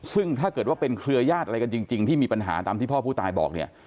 ซึ่งถ้าเกิดว่าเป็นเครือญาติอะไรกันจริงที่มีปัญหาตามที่พ่อผู้ตายบอกเนี่ย